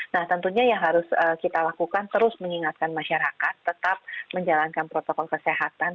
nah tentunya yang harus kita lakukan terus mengingatkan masyarakat tetap menjalankan protokol kesehatan